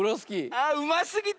あっうますぎたゆえに。